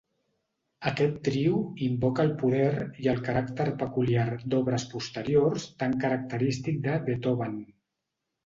Aquest trio invoca el poder i el caràcter peculiar d'obres posteriors tan característic de Beethoven.